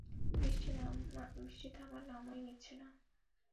বৃষ্টি থামার নামই নিচ্ছে না।